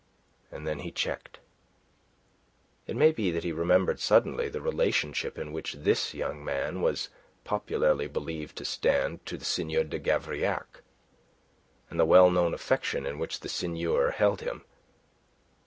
And then he checked. It may be that he remembered suddenly the relationship in which this young man was popularly believed to stand to the Seigneur de Gavrillac, and the well known affection in which the Seigneur held him.